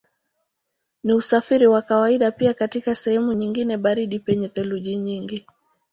Ni usafiri wa kawaida pia katika sehemu nyingine baridi penye theluji nyingi.